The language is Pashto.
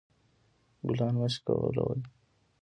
ګلان مه شکولوئ